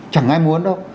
chẳng ai muốn đâu